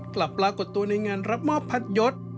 ปรากฏตัวในงานรับมอบพัดยศ